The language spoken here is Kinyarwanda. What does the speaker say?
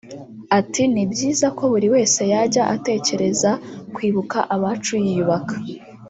Ati “Ni byiza ko buri wese yajya atekereza kwibuka abacu yiyubaka